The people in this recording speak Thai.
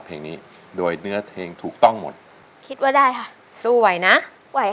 เพลงนี้โดยเนื้อเพลงถูกต้องหมดคิดว่าได้ค่ะสู้ไหวนะไหวค่ะ